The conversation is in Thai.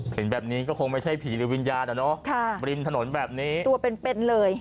เห็นแบบนี้ก็คงไม่ใช่ผีหรือวิญญาณอะเนาะริมถนนแบบนี้ตัวเป็นเป็นเลย